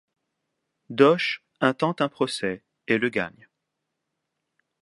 Doche intente un procès et le gagne.